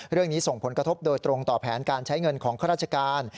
เรื่องนี้ส่งผลกระทบโดยตรงต่อแผนการใช้เงินของข้าราชการ